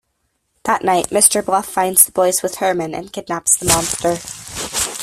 That night, Mr. Bluff finds the boys with Herman and kidnaps the monster.